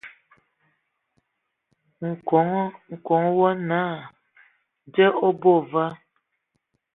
Nkɔg wɔ naa "Dze o abɔ va ?".